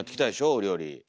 お料理。